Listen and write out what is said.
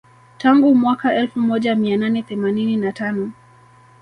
Tangu mwaka elfu moja mia nane themanini na tano